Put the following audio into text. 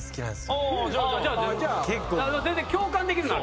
全然共感できるなら。